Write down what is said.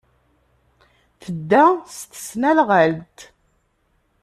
Tedda s tesnasɣalt.